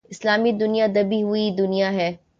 اسلامی دنیا دبی ہوئی دنیا ہے۔